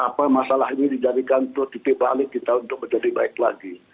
tapi mari masalah ini dijadikan untuk titik balik kita untuk menjadi baik lagi